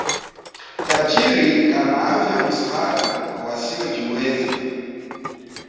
Tajiri kanaavya nsaada kwa wasiojiweza